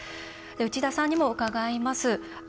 内田さんにも伺います。